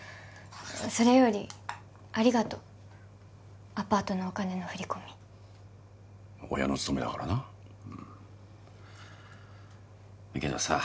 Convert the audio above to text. それよりありがとうアパートのお金の振り込み親の務めだからなうんけどさ